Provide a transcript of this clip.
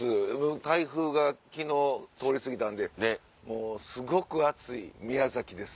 台風が昨日通り過ぎたんですごく暑い宮崎です。